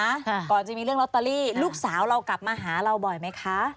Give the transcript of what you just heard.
ค่ะก่อนจะมีเรื่องลอตเตอรี่ลูกสาวเรากลับมาหาเราบ่อยไหมคะ